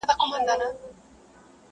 قاضي و ویله غوږ نیسی دوستانو,